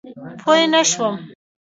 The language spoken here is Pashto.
پوی نه شوم.